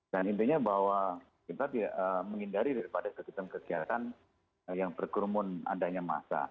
dan intinya bahwa kita menghindari daripada kegiatan kegiatan yang bergurumun adanya massa